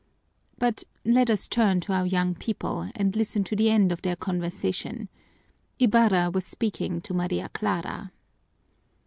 But let us turn to our young people and listen to the end of their conversation. Ibarra was speaking to Maria Clara.